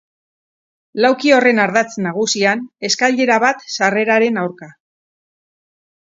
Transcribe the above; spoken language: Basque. Lauki horren ardatz nagusian, eskailera bat sarreraren aurka.